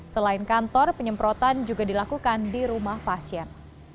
selain kantor penyemprotan juga dilakukan di rumah pasien